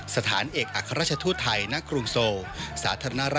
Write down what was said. สถานเอกอัครราชทูตไทยณกรุงโซล